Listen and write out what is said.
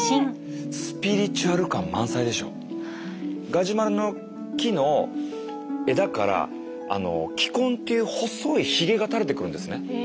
ガジュマルの木の枝から気根っていう細いひげが垂れてくるんですね。